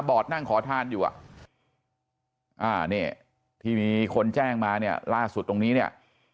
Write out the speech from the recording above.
นั่งขอทานอยู่อ่ะอ่านี่ที่มีคนแจ้งมาเนี่ยล่าสุดตรงนี้เนี่ย